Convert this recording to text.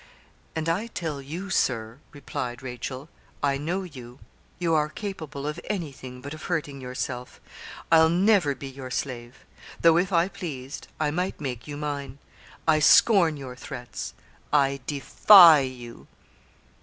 'And I tell you, Sir,' replied Rachel, 'I know you; you are capable of anything but of hurting yourself. I'll never be your slave; though, if I pleased, I might make you mine. I scorn your threats I defy you.'